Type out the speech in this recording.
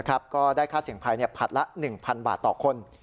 ก็ได้ค่าเสี่ยงภัยผัดละ๑๐๐บาทต่อคน